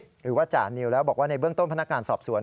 หรือว่าจานิวแล้วบอกว่าในเบื้องต้นพนักงานสอบสวน